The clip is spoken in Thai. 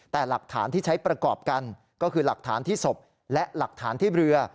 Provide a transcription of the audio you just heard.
แต่หลักฐานที่ใช้ประกอบกันก็คือหลักฐานที่ศพและหลักฐานที่เรือ